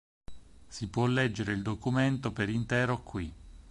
Si può leggere il documento per intero qui.